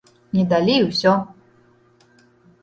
Не далі і ўсё!